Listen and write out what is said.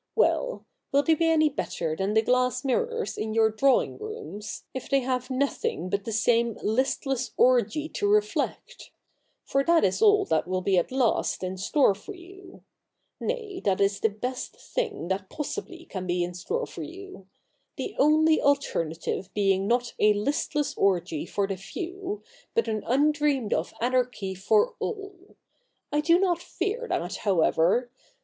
Well — will they be any better than the glass mirrors in your drawing rooms, if they have nothing but the same Ustless orgy to reflect ? For that is all that will be at last in store for you ; nay, that is the best thing that possibly can be in store for you ; the only alternative being not a listless orgy for the few, but an undreamed of anarchy for all. I do not fear that, however.